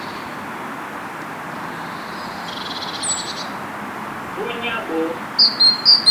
Búnyá ɓɔɔ́,